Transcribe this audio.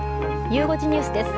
ゆう５時ニュースです。